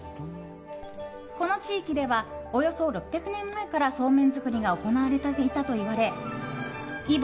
この地域ではおよそ６００年前からそうめん作りが行われていたといわれ揖保